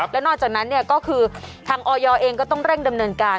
แล้วนอกจากนั้นก็คือทางออยเองก็ต้องเร่งดำเนินการ